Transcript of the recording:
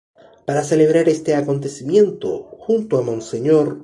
Para celebrar este acontecimiento, junto a Mons.